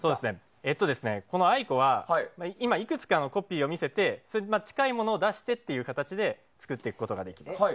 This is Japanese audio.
このＡＩＣＯは今、いくつかのコピーを見せてそれで近いものを出してという形で作っていくことができます。